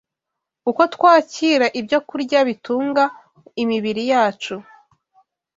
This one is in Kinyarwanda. uko twakira ibyokurya bitunga imibiri yacu.